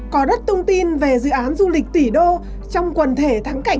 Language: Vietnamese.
cỏ đất thông tin về dự án du lịch tỷ đô trong quần thể thắng cánh